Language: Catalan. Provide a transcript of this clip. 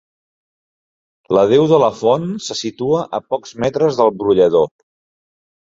La deu de la font se situa a pocs metres del brollador.